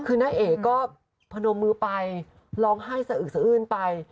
คือนาเอกก็พนมมือไปร้องไห้สะอึดไป